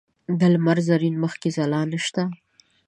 د لمر زرین مخ کې ځلا نشته